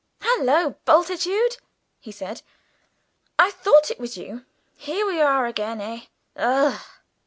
"Hallo, Bultitude!" he said, "I thought it was you. Here we are again, eh? Ugh!"